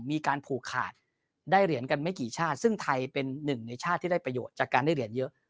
มีการผูกขาดได้เหรียญกันไม่กี่ชาติซึ่งไทยเป็นหนึ่งในชาติที่ได้ประโยชน์จากการได้เหรียญเยอะ